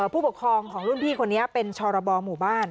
ผู้ปกครองของรุ่นพี่คนนี้เป็นชรบหมู่บ้าน